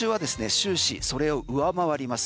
終始それを上回ります。